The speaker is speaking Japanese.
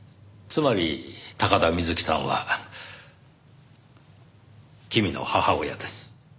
つまり高田みずきさんは君の母親です。